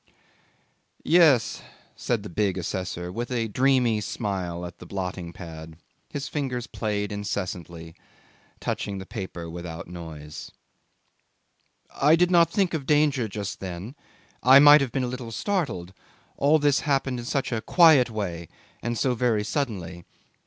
'Yes,' said the big assessor, with a dreamy smile at the blotting pad; his fingers played incessantly, touching the paper without noise. 'I did not think of danger just then. I might have been a little startled: all this happened in such a quiet way and so very suddenly.